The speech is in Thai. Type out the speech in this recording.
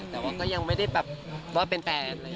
แต่ว่าก็ยังไม่ได้แบบว่าเป็นแฟน